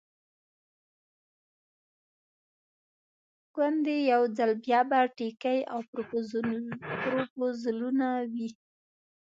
ګوندې یو ځل بیا به ټیکې او پروپوزلونه وي.